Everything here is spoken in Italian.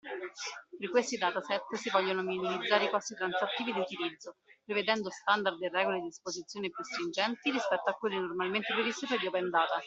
Per questi dataset, si vogliono minimizzare i costi transattivi di utilizzo, prevedendo standard e regole di esposizione più stringenti rispetto a quelle normalmente previste per gli Open Data.